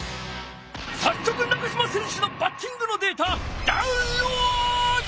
さっそく中島選手のバッティングのデータダウンロード！